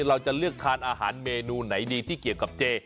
เราจะเลือกทานอาหารเมนูไหนดีที่เกี่ยวกับเจ